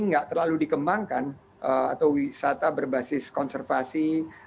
nggak terlalu dikembangkan atau wisata berbasis konservasi